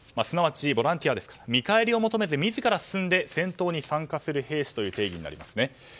すなわちボランティアですから見返りを求めず自ら進んで戦闘に参加する兵士という定義になります。